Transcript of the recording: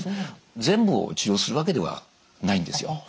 全部を治療するわけではないんですよ。